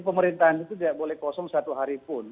pemerintahan itu tidak boleh kosong satu hari pun